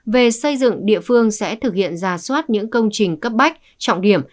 về xây dựng địa phương sẽ thực hiện ra soát những công trình cấp bách trọng điểm